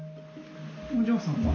お嬢さんは？